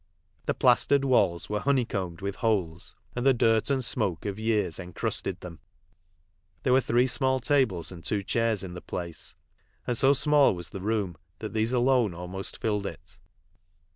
The plastered walls were honeycombed with holes, and the dirt and smoke of years encrusted them. There were three small tables and two chairs in the place, and so small was the room that these alone almost tilled it.